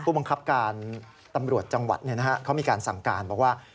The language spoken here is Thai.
บังคับการตำรวจจังหวัดเขามีการสั่งการบอกว่า